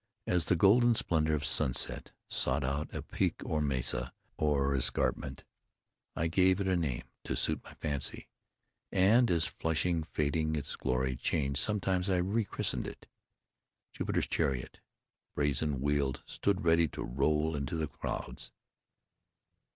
As the golden splendor of sunset sought out a peak or mesa or escarpment, I gave it a name to suit my fancy; and as flushing, fading, its glory changed, sometimes I rechristened it. Jupiter's Chariot, brazen wheeled, stood ready to roll into the clouds.